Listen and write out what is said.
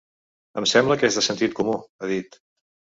Em sembla que és de sentit comú, ha dit.